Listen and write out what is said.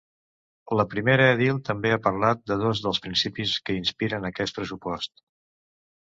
La primera edil també ha parlat de dos dels principis que inspiren aquest pressupost.